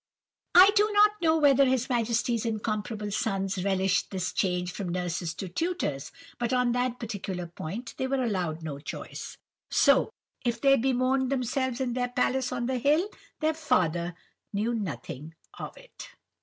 "I do not know whether his Majesty's incomparable sons relished this change from nurses to tutors, but on that particular point they were allowed no choice; so if they bemoaned themselves in their palace on the hill, their father knew nothing of it.